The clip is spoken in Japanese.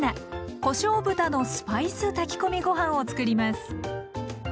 「こしょう豚のスパイス炊き込みご飯」をつくります。